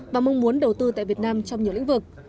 và mong muốn đầu tư tại việt nam trong nhiều lĩnh vực